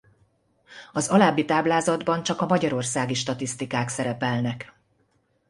Az alábbi táblázatban csak a magyarországi statisztikák szerepelnek.